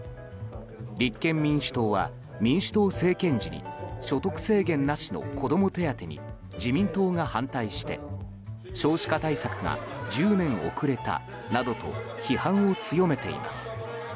立憲民主党は民主党政権時に所得制限なしの子ども手当に自民党が反対して少子化対策が１０年遅れたなどと批判を強めています。